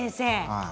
はい。